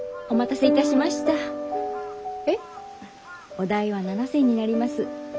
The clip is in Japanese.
お代は７銭になります。